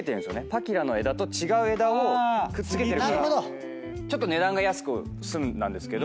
パキラの枝と違う枝をくっつけてるからちょっと値段が安く済んだんですけど。